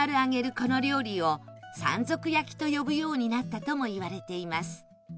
この料理を山賊焼きと呼ぶようになったともいわれています